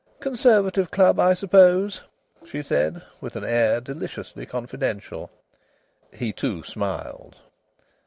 "Conservative Club, I suppose?" she said, with an air deliciously confidential. He, too, smiled.